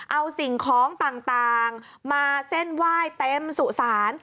เอาสิ่งของต่างมาเส้นไหว้เต็มสุสาน